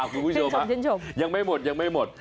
คุณผู้ชมยังไม่หมด